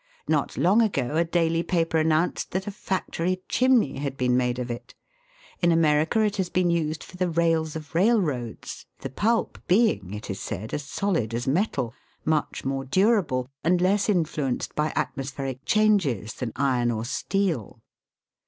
Not long ago a daily paper an nounced that a factory chimney had been made of it. In America it has been used for the rails of railroads, the pulp being, it is said, as solid as metal, much more durable, and less influenced by atmospheric changes than iron or steel.